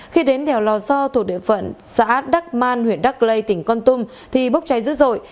khi đến đèo lò so thuộc địa phận xã đắc man huyện đắc lây tỉnh con tum thì bốc cháy dữ dội